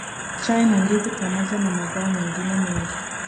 Chai na Ndizi pamoja na mazao mengine mengi